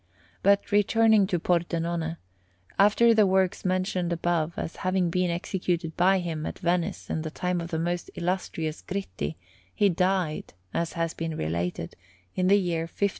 But returning to Pordenone; after the works mentioned above as having been executed by him at Venice in the time of the most illustrious Gritti, he died, as has been related, in the year 1540.